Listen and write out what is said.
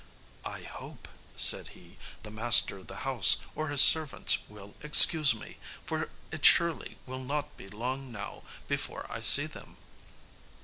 "I hope," said he, "the master of the house or his servants will excuse me, for it surely will not be long now before I see them."